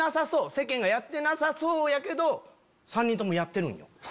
世間がやってなさそうやけど３人ともやってるんよ。